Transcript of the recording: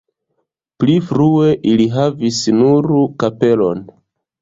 Pli frue ili havis nur kapelon.